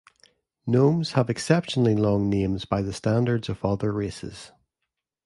Gnomes have exceptionally long names by the standards of other races.